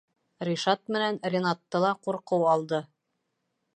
Ришат менән Ринатты ла ҡурҡыу алды.